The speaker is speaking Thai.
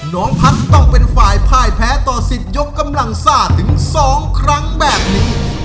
น้องพัฒน์ต้องเป็นฝ่ายพ่ายแพ้ต่อสิทธิ์ยกกำลังซ่าถึง๒ครั้งแบบนี้